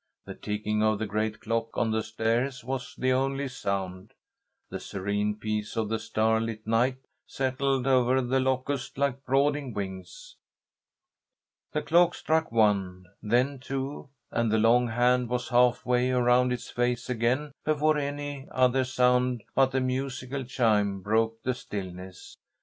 The ticking of the great clock on the stairs was the only sound. The serene peace of the starlit night settled over The Locusts like brooding wings. The clock struck one, then two, and the long hand was half way around its face again before any other sound but the musical chime broke the stillness.